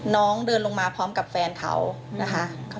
น้องเดินลงมาพร้อมกับแฟนเขานะคะ